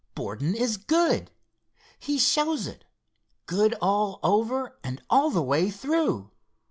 Borden is good. He shows it, good all over and all the way through.